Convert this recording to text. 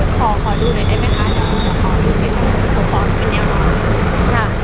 ขอดูหน่อยได้ไหมคะ